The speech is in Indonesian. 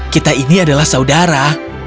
kita ini adalah saudara